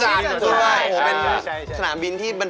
มันไม่ใช่รถตุ๊กตุ๊ก